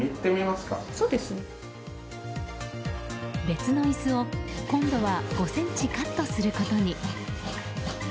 別の椅子を今度は５ｃｍカットすることに。